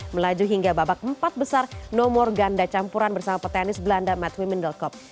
melaju hingga babak empat besar nomor ganda campuran bersama petenis belanda matt wimmendelkopp